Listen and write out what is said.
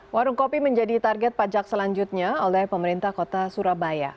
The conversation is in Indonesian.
warung kopi menjadi target pajak selanjutnya oleh pemerintah kota surabaya